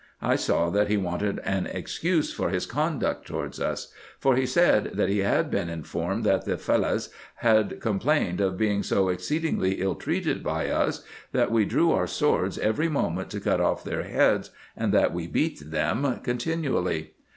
I saw that he wanted an excuse for his conduct towards us ; for he said he had been in formed that the Fellahs had complained of being so exceedingly ill treated by us, that we drew our swords every moment to cut off their heads, and that we beat them continually.